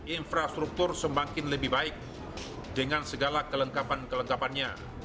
infrastruktur semakin lebih baik dengan segala kelengkapan kelengkapannya